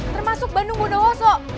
termasuk bandung bunda woso